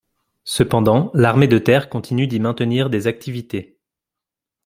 Cependant, l'armée de terre continue d'y maintenir des activités.